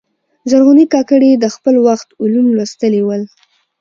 زرغونې کاکړي د خپل وخت علوم لوستلي ول.